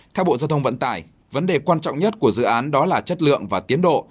theo bộ giao thông vận tải vấn đề quan trọng nhất của dự án đó là chất lượng và tiến độ